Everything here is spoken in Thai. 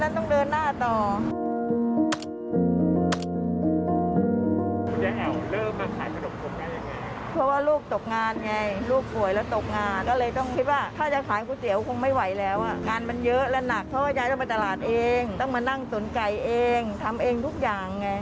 ต้องมานั่งสนไก่เองทำเองทุกอย่างไง